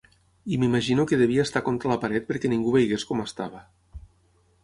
I m’imagino que devia estar contra la paret perquè ningú veiés com estava.